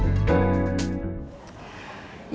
mbak desi masih masuk ya